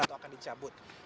atau akan dicabut